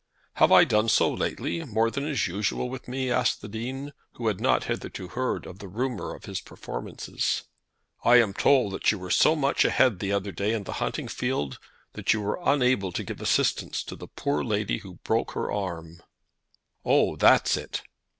"Have I done so lately, more than is usual with me?" asked the Dean, who had not hitherto heard of the rumour of his performances. "I am told that you were so much ahead the other day in the hunting field, that you were unable to give assistance to the poor lady who broke her arm." "Oh, that's it!